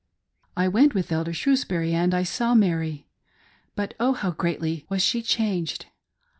" I went with Elder Shrewsbury and I saw Mary. But oh, how greatly was she changed